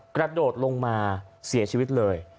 กระโดดลงมาเสียชีวิตเลย